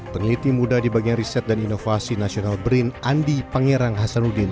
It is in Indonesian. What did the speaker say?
peneliti muda di bagian riset dan inovasi nasional brin andi pangerang hasanuddin